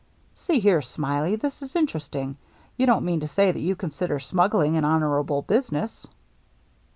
" See here. Smiley, this is interesting. You don't mean to say that you consider smuggling an honorable business